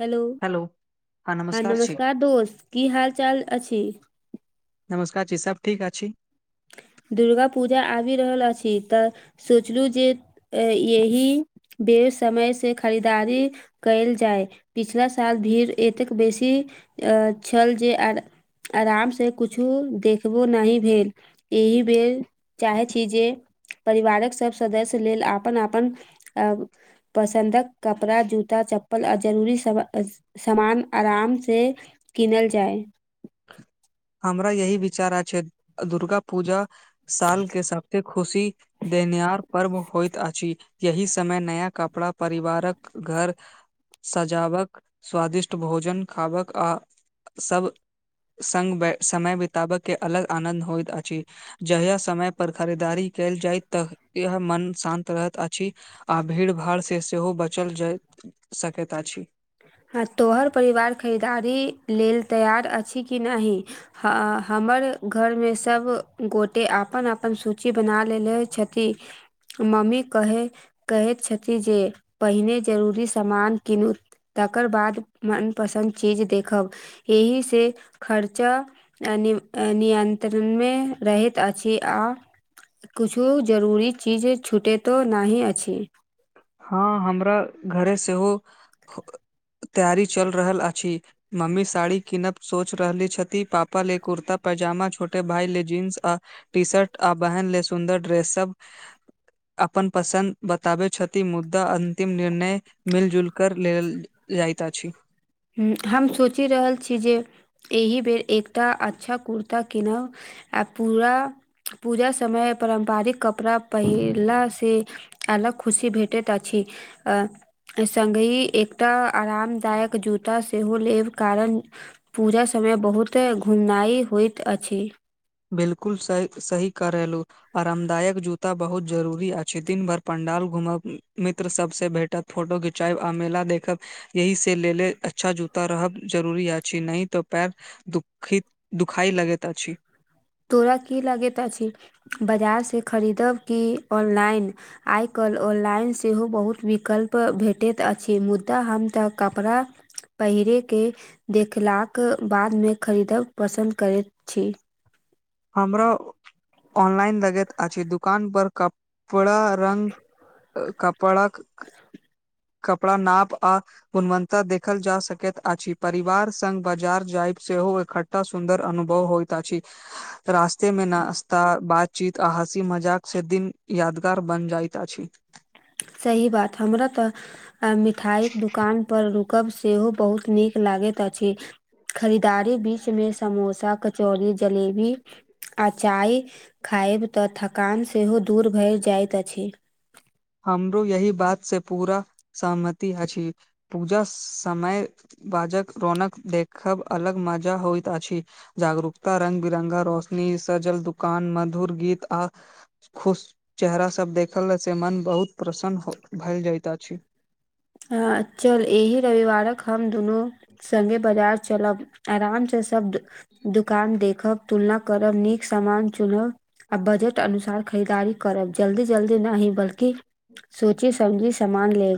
Hello हँ नमस्कार दोस्त की हाल चाल अछि नमस्कार ची सब ठीक अ छी दुर्गा पूजा आबि रहल अछि तऽ सोचलू जे अ यही बे समय से खरीदारी कयल जाय पिछला साल भीड़ एतेक बेसि अ छल जे आ आराम से कुछु देखबो नही भेल एहि बेर चाहै छी जे परिवारक सब सदस्य लेल आपन आपन आब पसंद क कपड़ा, जूता-चप्पल आ जे जरूरी होइ छै, से सभ लऽ कऽ जायब सामान आराम से किनल जाय हमरा यही विचारा छै। दुर्गा पूजा साल के सबते ख़ुशी देनियार पर्व होइत अछि यही समय नया कपड़ा परिवारक घर सजावक स्वादिष्ट भोजन खावक आ सब संग समय बिताबयके अलग आनन्द होयत अछि जहय समय पर खरीदारी कयल जाय त इह मन शान्त रहैत अछि आ भीड़ भाड़स सेहो बचल जाय सकैत अछि हँ तोहर परिवार खरीदारी लेल तैयार अछि कि नहि हँ हमर घरमे सभगोटे अपन अपन सूची बना लेले छथि मम्मी कहै कहैत छथि जे पहिने जरूरी सामान कीनु तकर बाद मनपसन्द चीज देखब, एहिसे खर्चा। नि नियन्त्रणमे रहैत अछि आ कुछु जरूरी चीजे छूटैतो नहि अछि हँ हमरा घरे सेहो तैयारी चलि रहल अछि मम्मी साड़ी कीनत सोच रहले छथि पापा ले कुर्ता पैजामा छोटे भाय ले जींस आ टी शर्ट आ बहन ले सुन्दर ड्रेस सब अपन पसन्द बताबै छथि ति मुद्दा अंतिम निर्णय मिलजुल कर लेल जाइत अछि हम सोचि रहल छी जे एहि बेर एकटा अच्छा कुर्ता किनब आ पूरा पूजा समय पारम्परिक कपड़ा पहिरला से अलग खुशी भेटैत अछि संगहि एकटा आरामदायक जूत टा सेहो लेब कारण पूजा समय बहुते घुमनाय होइत अछि बिल्कुल सही करेलू आरामदायक जूता बहुत जरूरी अछि, दिन भरि पंडाल घुमब, मित्र सभ सँ भेटत। फोटो घिचायब आ मेला देखब ई सभ सँ लऽ कऽ नीक जुत्ता पहिरब जरूरी अछि नहि तँ पैरमे तकलीफ होयत दुखइ लगैत अछि तोरा की लागैत अछि बजारसँ खरीदब की ऑनलाइन आइ कालि ऑनलाइन सेहो बहुत विकल्प भेटैत अछि मुद्दा हम तऽ कपड़ा पहिरेके देखलाक बादमे खरीदब पसन्द करैत छी हमरो ऑनलाइन लगैत अछि दुकान पर क पूरा रंग कपड़ा [unintelligible] कपड़ा नाप आ गुणवन्ता देखल जा सकैत अछि परिवार संघ बाजार जायब सेहो एकटा सुन्दर अनुभव होइत अछि रास्ते में नश्ता बातचीत आ हँसी मजाक से दिन यादगार बन जाइत अछि सही बात हमरा तऽ अ मिठाई के दुकान पर रुकब सेहो बहुत नीक लागैत अछि खरीदारी बीच में समोसा, कचौड़ी, जलेबी। आ चाय खायद तऽ थकान सेहो दूर भरि जाइत अछि हमरो यही बात से पूरा सहमति अछि पूजा समय बाजक रौनक देखब अलग मजा होइत अछि जागरूकता रंग बिरंगा रोशनी सजल दुकान मधुर गीत आ खुश चेहरा सभ देखलासँ मन बहुत प्रसन्न भऽ जाइत अछि। ह चल एहि रविवारक हम दुनू संगे बाजार चलब आराम से सब दुकान देखब तुलना करब नीक सामान चुनब आ बजट अनुसार खरीदारी करब जल्दी जल्दी नहि बल्कि सोची समझी समान ले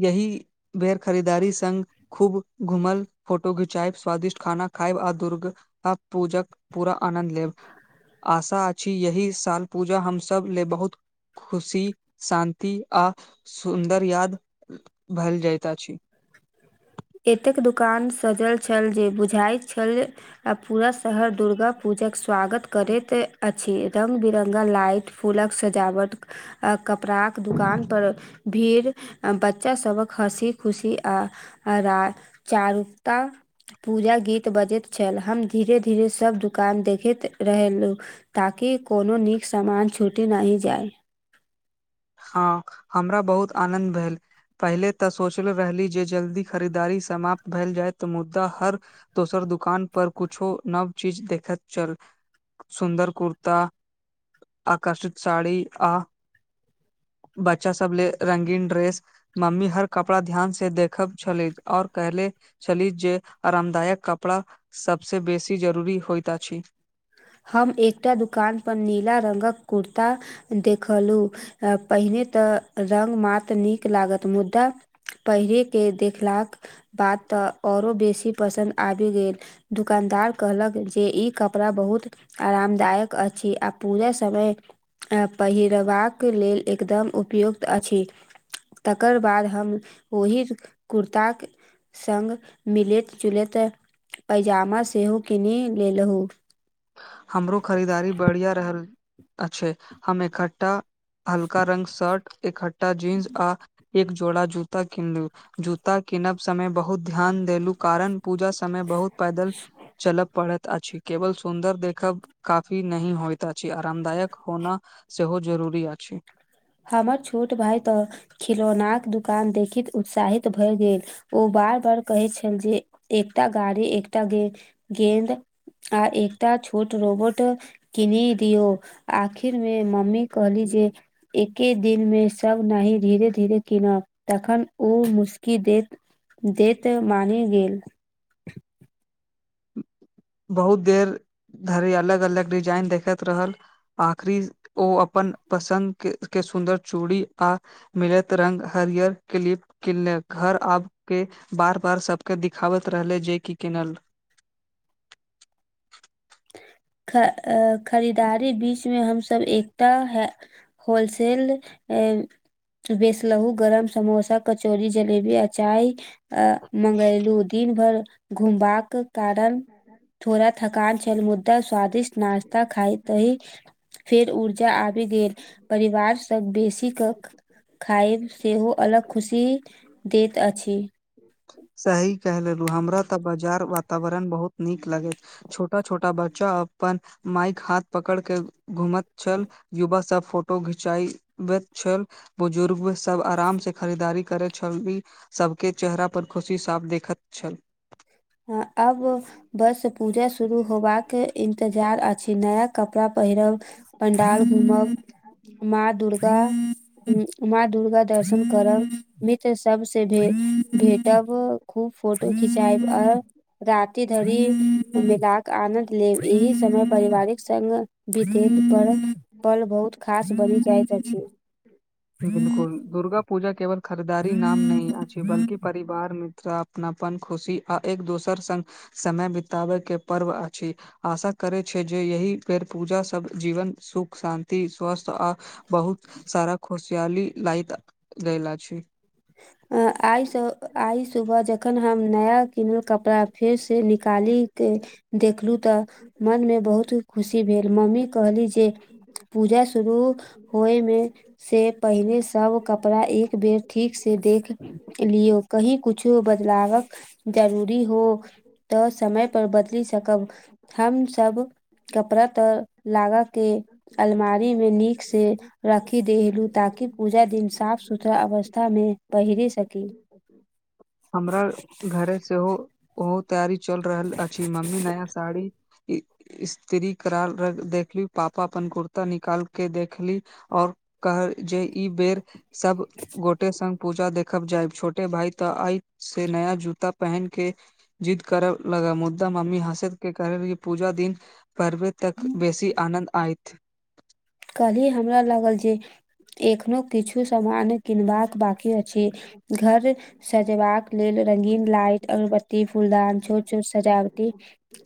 ई बेर खरीदारी संग खूब घुमल, फोटो खिंचायब, स्वादिष्ट खाना खायब आ दुर्ग आ पूजा क पूरा आनन्द लेब आशा अछि यही साल पूजा हमस ले बहुत खुशी शान्ति आ सुन्दर याद भलि जाइत अछि एतेक दुकान सजल छल जे बुझाय छल आ पूरा शहर दुर्गा पूजाक स्वागत करैत अछि। रंग बिरंगल लाइट फूलक सजावट अ कपड़ा के दुकान पर भीड़ आ बच्चा सबक हँसी खुशी आ आ र चारुक्त [unintelligible] पूजा गीत बजैत छल हम धीरे धीरे सब दुकान देखैत रहलहुँ ताकि कोनो नीक सामान छूटि नहि जाय हँ हमरा बहुत आनन्द भेल पहिले तऽ सोचले रहली जे जल्दी खरीददारी समाप्त भेल जाय तऽ मुद्दा हर दोसर दुकान पर कुछो नव चीज देखैत चल। सुन्दर कुर्ता आकर्षक साड़ी आ बच्चा सब ले रंगीन ड्रेस मम्मी हर कपड़ा ध्यान से देखब छलै और कहले छली जे आरामदायक कपड़ा सबसे बेसी जरूरी होइत अछि हम एकटा दुकान पर नीला रंगक कुर्ता देखलू पहिने तऽ रंग मात्र नीक लागत मुदा पहिरेके देखलाक बाद तऽ ओरो बेसी पसन्द आबि गेल दुकानदार कहलक जे ई कपड़ा बहुत आरामदायक अछि आ पूजा समय पहिरबाक लेल एकदम उपयुक्त अछि तकर बाद हम ओहि कुर्ताक सङ्ग मिलैत जुलैत पैजामा सेहो कीनि लेलहुँ हमरो खरीदारी बढ़िआँ रहल अछि हमे खट्टा हल्का रंग शर्ट, एखट्टा जीन्स आ एक जोड़ा जूता कीनलौ जूता कीनब समय बहुत ध्यान देलु कारण पूजा समय बहुत पैदल चलय पड़ैत अछि केवल सुन्दर देख कब काफी नही होइत अछि आरामदायक होना सेहो जरूरी अछि हमर छोट भाय तऽ खिलौनाक दुकान देखीत उत्साहित भए गेल ओ बार बार कहै छल जे एकटा गाड़ी एकटा गे गेंद आ एकटा छोट रोबोट किनि दियौ आखिर मे मम्मी कहली जे एके दिनमे सब नाही धीरे धीरे किनब तखन ओ मुसकी देत देतऽ मानि गेल। बहुत देर धरि अलग अलग डिजाइन देखैत रहल आखरी ओ अपन पसंद के सुन्दर चूड़ी आ मिलैत रंग हरियर क्लिप किनले घर आब के बार बार सबके दिखाबैत रहले जे कि किनल ख खरीदारी बीचमे हमसब एकता है होलसेल अ बेसलहु गरम समोसा कचौरी जलेबी अचाय अ मंगेलू दिन भर घुमबाक कारण थोड़ा थकान छल मुदा स्वादिष्ट नश्ता खाय त ही फेर ऊर्जा आबि गेल परिवारस बेसी कक खायब सेहो अलग खुशी देत अछि। सही कह लेलु हमरा ते बाजार वातावरण बहुत नीक लगे छोटा छोटा बच्चा अपन माइक हाथ पकड़ के घूमत छल युवा सब फोटो घिचबैत छल बुजुर्गो सब आराम से खरीदारी करे छल [unintelligible] सबके चेहरा पर पर खुशी साफ देखैत छल आब बस पूजा शुरू होबाक इन्तजार अछि नया कपड़ा पहिरब पंडाल घूमब माँ दुर्गा माँ दुर्गा दर्शन करब सब से भे भेटब खूब फोटो खिचायब आ राति धरि मेलाक आनन्द ले एहि समय पारिवारिक ओहि पल बहुत खास बनि जाइत अछि। बिलकुल दुर्गा पूजा केवल खरीदारी नाम नहि अछि बल्कि परिवार मित्र अपनापन खुशी आ एक दोसर संग समय बिताबे के पर्व अछि आशा करै छै जे यही बेर पूजा सब जीवन सुख शान्ति स्वस्थ आ बहुत सारा खुशियाली लायत लेल अछि आइसँ आइ सुबह जखन हम नया किनल कपड़ा फेरसँ निकाली के देखलू तऽ मन मे बहुत खुशी भेल मम्मी कहली जे पूजा शुरू होय मे से पहिले सब कपड़ा एक बेर ठीक से देख लियौ कही कुछो बदलावक जरूरी हो तऽ समय पर बदलि सकब हम सब कपड़ा तऽ लागा के अलमारी मे नीक से राखी दहेलू ताकि पूजा दिन साफ सुथरा अवस्था कथा मे पहिरी सकी हमरा घरे सेहो ओ तैयारी चलि रहल अछि। मम्मी नया साड़ी स्त्री करार देखली पापा अपन कुर्ता निकाल के देखली और कहल जे ई बेर सब गोटे संग पूजा देखब जायब छोटे भाय तऽ आइ से नया जूता पहन के जिद्द करै लगा मुद्दा मम्मी हसैत के कहलेन पूजा दिन पर्वे तक बेसी आनन्द आयत कहली हमरा लागल जे एखनो किछु सामान किनबाक बाकी अछि घर सजेबाक लेल रंगीन लाइट अगरबत्ती फुलदान छोट छोट सजावटी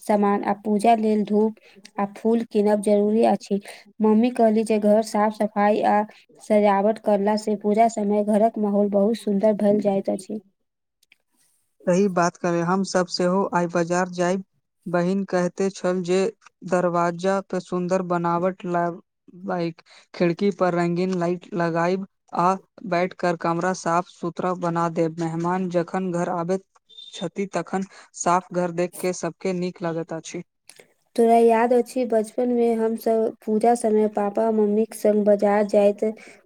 सामान आ पूजा लेल धूप आ फूल कीनब जरूरी अछि मम्मी कहलि जे घर साफ सफाइ आ सजावट करला से पूरा समय घरक माहौल बहुत सुन्दर भेल जाइत अछि सही बात करे हम सब सेहो आइ बाजार जायब बहिन कहते छल जे दरवाजा पे सुन्दर बनावट लाएब बाइक खिड़की पर रंगीन लाइट लगाइब आ बैठ कर कमरा साफ सुथरा बना देब मेहमान जखन घर आबैत छथि तखन साफ घर देख कऽ सभके नीक लगैत अछि तोरा याद अछि बचपनमे हमसभ पूजा समय पापा मम्मीके संग बाजार जाइत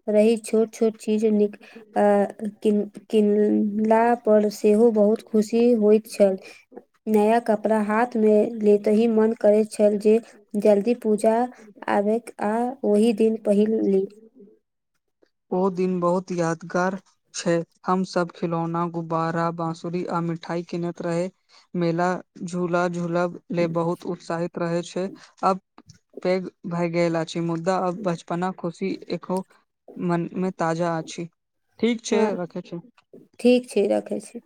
रही छोट छोट चीज नीक अ किन किनला पर सेहो बहुत खुशी होइत छल नया कपड़ा हाथ मे। लेतही मन करैत छल जे जल्दी पूजा पूजा आबैक आ ओहि दिन पहिन ली ओ दिन बहुत यादगार छै हम सब खिलौना गुब्बारा बाँसुरी आ मिठाई किनत रही मेला झूला झूला लेल बहुत उत्साहित रहैत छै अब पैघ भए गेल अछि मुदा आ बचपना खुशी एक। मनमे ताजा आ ठीक छै हँ रखे छी ठीक छै रखै छी।